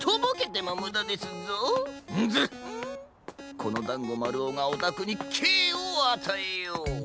このだんごまるおがおたくにけいをあたえよう。